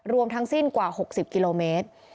รวมทั้งสิ้นกว่า๖๐กิโลเมตร